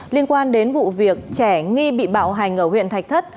liên quan đến vụ việc trẻ nghi bị bạo hành ở huyện thạch thất